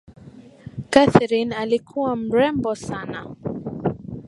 Katherine alikuwa mrembo sana